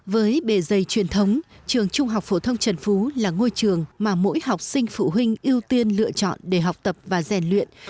với bề dày truyền thống trường trung học phổ thông trần phú là ngôi trường mà mỗi học sinh phụ huynh ưu tiên lựa chọn để học tập và rèn luyện